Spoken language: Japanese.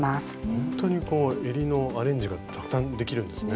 ほんとにこうえりのアレンジがたくさんできるんですね。